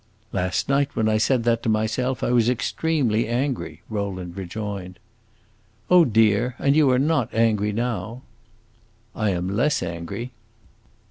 "Last night, when I said that to myself, I was extremely angry," Rowland rejoined. "Oh, dear, and you are not angry now?" "I am less angry."